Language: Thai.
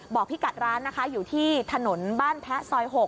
พี่กัดร้านนะคะอยู่ที่ถนนบ้านแพ้ซอย๖